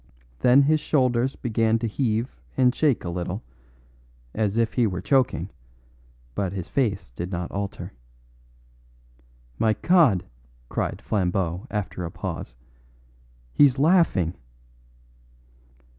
Then his old shoulders began to heave and shake a little, as if he were choking, but his face did not alter. "My God!" cried Flambeau after a pause, "he's laughing!"